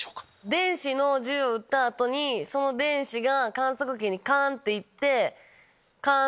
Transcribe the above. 電子の銃撃った後にその電子が観測器にカン！っていってカン！